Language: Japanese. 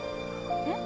えっ？